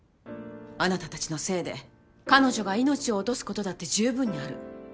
あなたたちのせいで彼女が命を落とすことだってじゅうぶんにある。